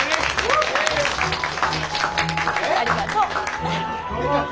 ありがとう。